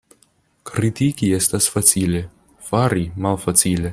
Kritiki estas facile, fari malfacile.